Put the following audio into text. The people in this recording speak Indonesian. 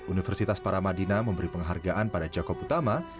universitas paramadina memberi penghargaan pada jakob utama